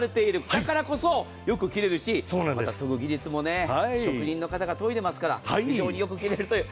だからこそよく切れるしまた研ぐ技術も職人の方が研いでいますから非常によく切れるという。